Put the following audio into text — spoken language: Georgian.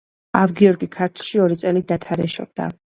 ავ-გიორგი ქართლში ორი წელი დათარეშობდა.